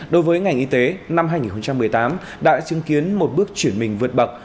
đối với ngành y tế năm hai nghìn một mươi tám đã chứng kiến một bước chuyển mình vượt bậc